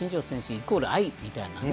イコール愛みたいなね。